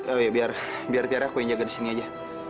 oh iya biar tiara aku yang jaga disini aja